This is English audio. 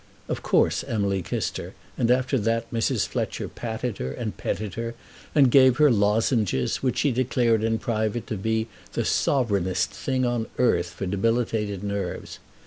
Of course Emily kissed her; and after that Mrs. Fletcher patted her and petted her, and gave her lozenges, which she declared in private to be "the sovereignest thing on earth" for debilitated nerves.